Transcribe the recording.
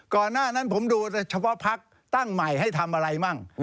ก่อนหน้านั้นผมดูเฉพาะพักตั้งใหม่ให้ทำอะไรมั่ง